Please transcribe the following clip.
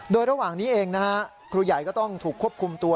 โดยระหว่างนี้เองนะฮะครูใหญ่ก็ต้องถูกควบคุมตัว